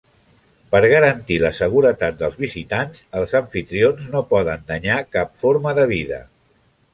Per garantir la seguretat dels visitants, els amfitrions no poden danyar cap forma de vida.